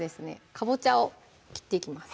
かぼちゃを切っていきます